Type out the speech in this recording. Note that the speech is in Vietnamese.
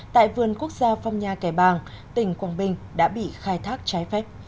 tại vườn quốc gia phong nha kẻ bàng tỉnh quảng bình đã bị khai thác trái phép